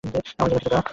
আমার জন্য কিছু গা।